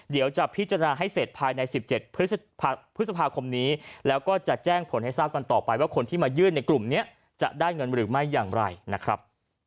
เดี๋ยวจะพิจารณาให้เสร็จภายใน๑๗พฤษภาคมนี้แล้วก็จะแจ้งผลให้ทราบกันต่อไปว่าคนที่มายื่นในกลุ่มนี้จะได้เงินหรือไม่อย่างไรนะครับ